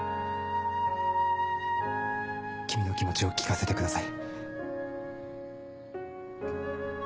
君の気持ちを聞かせてください。